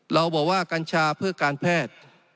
เราบอกว่ากัญชาเพื่อการแพทย์